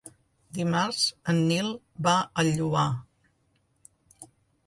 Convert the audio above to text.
Dimarts en Nil va al Lloar.